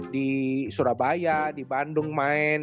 di surabaya di bandung main